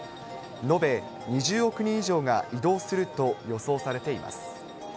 延べ２０億人以上が移動すると予想されています。